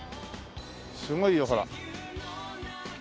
すごいよほら。